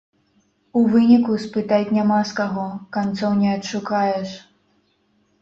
У выніку спытаць няма з каго, канцоў не адшукаеш.